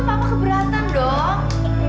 papa keberatan dong